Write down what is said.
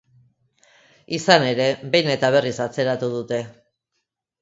Izan ere, behin eta berriz atzeratu dute.